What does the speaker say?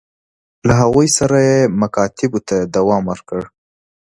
له هغوی سره یې مکاتبو ته دوام ورکړ.